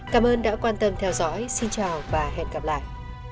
cảm ơn đã quan tâm theo dõi xin chào và hẹn gặp lại